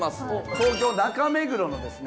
東京中目黒のですね